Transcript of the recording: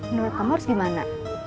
menurut kamu harus gimana